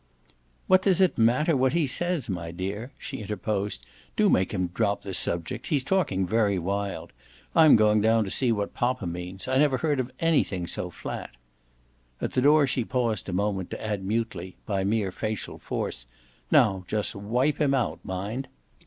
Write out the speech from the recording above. "What does it matter what he says, my dear?" she interposed. "Do make him drop the subject he's talking very wild. I'm going down to see what poppa means I never heard of anything so flat!" At the door she paused a moment to add mutely, by mere facial force: "Now just wipe him out, mind!"